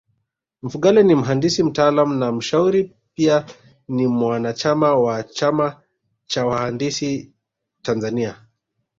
Mfugale ni mhandisi mtaalamu na mshauri Pia ni mwanachama wa chama cha wahandisi Tanzania